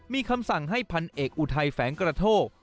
มีคำสั่งให้พันเอกอุทัยแฝงกระโทก